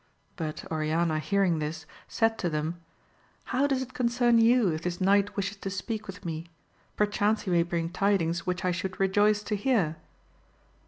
But Oriana hearing this, said to them, How does it concern you if this knight wishes to speak with me ] perchance he may bring tidings which I should rejoice to hear.